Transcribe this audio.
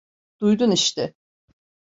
Duydun işte.